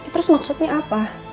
terus maksudnya apa